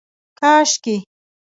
کاشکي